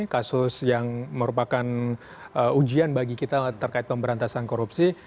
kasus yang merupakan ujian bagi kita terkait pemberantasan korupsi